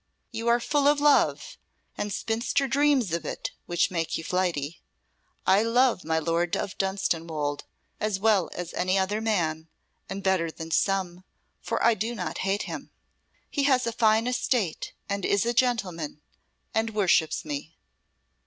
You are full of love, and spinster dreams of it which make you flighty. I love my Lord of Dunstanwolde as well as any other man, and better than some, for I do not hate him. He has a fine estate, and is a gentleman and worships me.